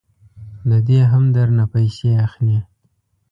ددې هم درنه پیسې اخلي.